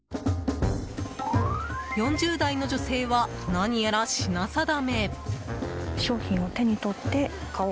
４０代の女性は、何やら品定め。